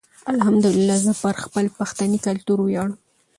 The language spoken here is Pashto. الحمدالله زه پر خپل پښنې کلتور ویاړم.